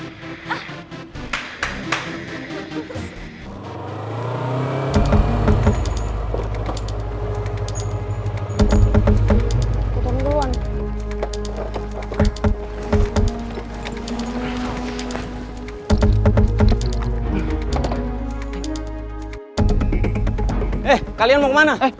eh kalian mau kemana